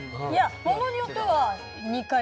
ものによっては２回とか。